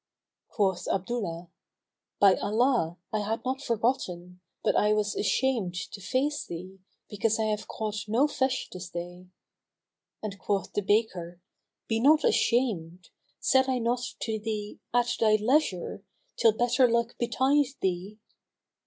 Quoth Abdullah, "By Allah, I had not forgotten; but I was ashamed to face thee, because I have caught no fish this day;" and quoth the baker, "Be not ashamed. Said I not to thee, At thy leisure,[FN#238] till better luck betide thee?"